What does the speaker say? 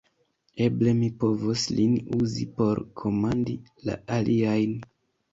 Eble mi povos lin uzi, por komandi la aliajn!